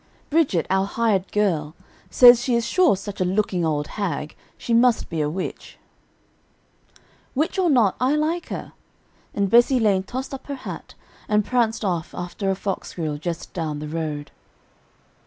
"Bridget, our hired girl, says she is sure such a looking old hag must be a witch." "Witch or not, I like her;" and Bessie Lane tossed up her hat, and pranced off after a fox squirrel just down the road.